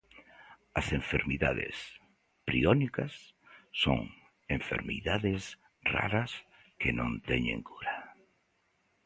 As enfermidades priónicas son enfermidades raras, que non teñen cura.